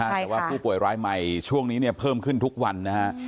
แต่ว่าผู้ป่วยรายใหม่ช่วงนี้เนี่ยเพิ่มขึ้นทุกวันนะฮะ